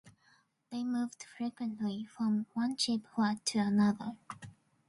They moved frequently from one cheap flat to another.